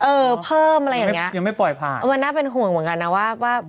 เออเพิ่มอะไรอย่างเงี้ยยังไม่ปล่อยผ่านเออมันน่าเป็นห่วงเหมือนกันนะว่าว่า